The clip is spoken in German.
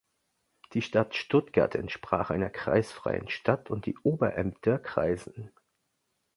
Die Stadt Stuttgart entsprach einer kreisfreien Stadt und die Oberämter Kreisen.